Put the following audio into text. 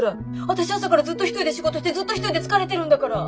私朝からずっと一人で仕事してずっと一人で疲れてるんだから。